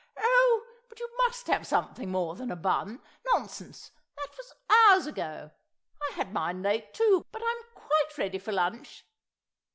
"Oh, but you must have something more than a bun. ... Nonsense, that was hours ago; I had mine late, too, but I'm quite ready for lunch.